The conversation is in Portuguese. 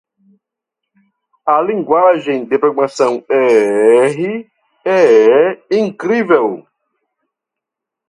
A linguagem de programação R, é incrível!